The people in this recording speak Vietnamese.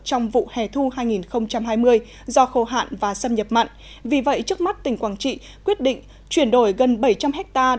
trong vụ hè thu hai nghìn hai mươi do khô hạn và xâm nhập mặn vì vậy trước mắt tỉnh quảng trị quyết định chuyển đổi gần bảy trăm linh ha